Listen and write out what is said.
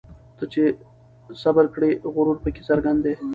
ته چي صبر کړې غرور پکښي څرګند دی